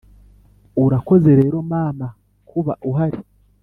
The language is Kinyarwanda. urakoze rero mama, kuba uhari